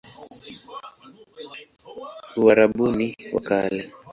Uarabuni wa Kale